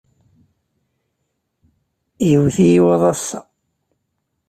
Yewwet-iyi waḍu ass-a.